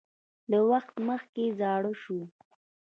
له وخت مخکې زاړه شو